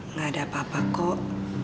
nggak ada apa apa kok